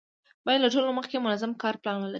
باید له ټولو مخکې منظم کاري پلان ولرو.